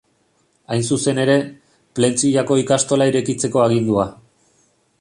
Hain zuzen ere, Plentziako ikastola irekitzeko agindua.